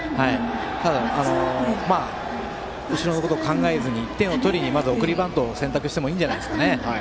ただ、後ろのことを考えずにまず１点を取りに送りバントを選択してもいいんじゃないでしょうか。